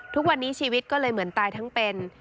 ทุกวันนี้ชีวิตก็เลยเหมือนตายทั้งเป็น